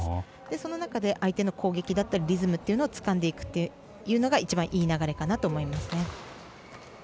その中で、相手の攻撃だったりリズムだったりをつかんでいくというのが一番いい流れかと思います。